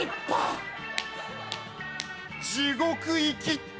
地獄行きっと。